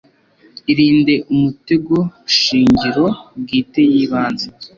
Irinde umutegoshingiro bwite y ibanze